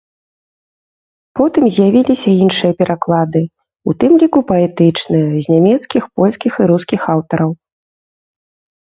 Потым з'явіліся іншыя пераклады, у тым ліку паэтычныя, з нямецкіх, польскіх і рускіх аўтараў.